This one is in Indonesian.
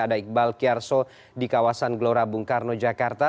ada iqbal kiarso di kawasan gelora bung karno jakarta